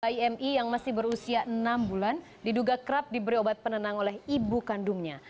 imi yang masih berusia enam bulan diduga kerap diberi obat penenang oleh ibu kandungnya